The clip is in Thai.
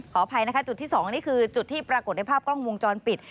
อภัยนะคะจุดที่๒นี่คือจุดที่ปรากฏในภาพกล้องวงจรปิด